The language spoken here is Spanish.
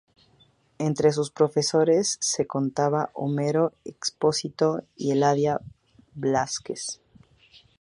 Entre sus profesores se contaban Homero Expósito y Eladia Blázquez.